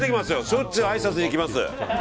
しょっちゅうあいさつに来ます。